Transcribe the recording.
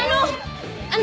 あの！